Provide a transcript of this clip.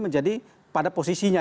menjadi pada posisinya